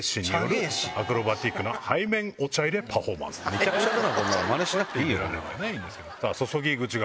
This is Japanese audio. めちゃくちゃだなこんなのマネしなくていいよ。